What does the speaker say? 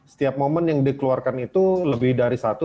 setiap momen yang dikeluarkan itu lebih dari satu